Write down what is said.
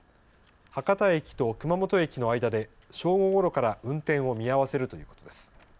博多駅と熊本駅の間で正午ごろから運転を見合わせるということです。